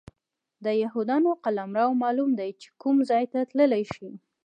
د یهودانو قلمرو معلوم دی چې کوم ځای ته تللی شي.